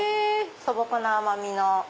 素朴な甘みの。